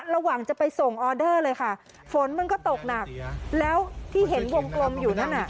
ระหว่างจะไปส่งออเดอร์เลยค่ะฝนมันก็ตกหนักแล้วที่เห็นวงกลมอยู่นั่นน่ะ